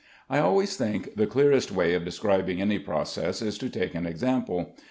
I always think the clearest way of describing any process is to take an example.